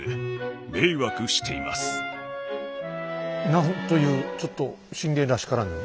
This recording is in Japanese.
何というちょっと信玄らしからぬ。